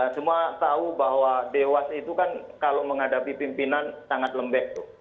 semua tahu bahwa dewas itu kan kalau menghadapi pimpinan sangat lembek tuh